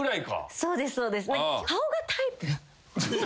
そうですそうです。